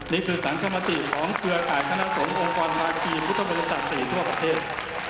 นี่คือสันคมติของเครือข่ายคณะสงฆ์องค์กรวาจีนพุทธมศักดิ์๔ทั่วประเทศ